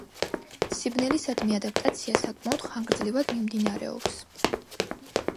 სიბნელისადმი ადაპტაცია საკმაოდ ხანგრძლივად მიმდინარეობს.